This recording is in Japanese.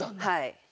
はい。